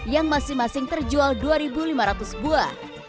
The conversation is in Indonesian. yang masing masing terjual dua lima ratus buah